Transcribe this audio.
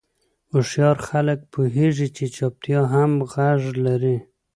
هوښیار خلک پوهېږي چې چوپتیا هم غږ لري.